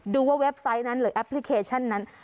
ดูว่าเว็บไซต์นั้นหรือแอปพลิเคชันนั้น